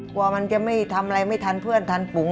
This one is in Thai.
กลัวมันจะไม่ทำอะไรไม่ทันเพื่อนทันปุ๋ง